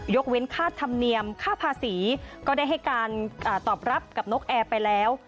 เว้นค่าธรรมเนียมค่าภาษีก็ได้ให้การตอบรับกับนกแอร์ไปแล้ว